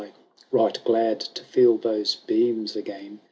25 Right glad to feel those beams again.